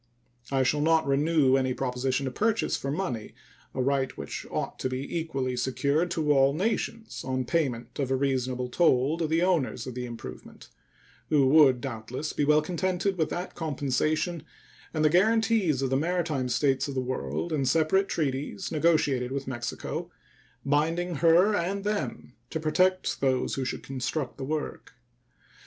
I shall not renew any proposition to purchase for money a right which ought to be equally secured to all nations on payment of a reasonable toll to the owners of the improvement, who would doubtless be well contented with that compensation and the guaranties of the maritime states of the world in separate treaties negotiated with Mexico, binding her and them to protect those who should construct the work.